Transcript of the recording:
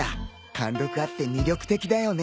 貫禄あって魅力的だよね。